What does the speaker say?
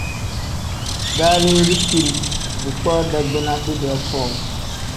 Daalii dikpiiri, dikpoo dagbina didee foo.